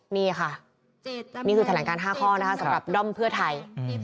นี่ค่ะนี่คือแถลงการ๕ข้อนะคะสำหรับด้อมเพื่อไทย